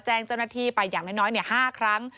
แจ้งเจ้าหน้าที่ไปอย่างน้อย๕ครั้ง